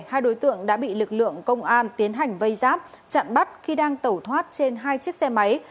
hai đối tượng đã bị lực lượng công an tiến hành vây giáp chặn bắt khi đang tẩu thoát trên hai chiếc xe máy